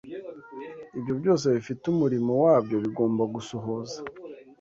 ibyo byose bifite umurimo wabyo bigomba gusohoza